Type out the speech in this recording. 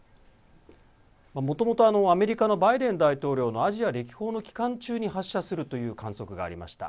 もともとアメリカのバイデン大統領のアジア歴訪の期間中に発射するという観測がありました。